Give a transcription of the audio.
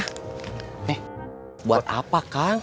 nih buat apa kang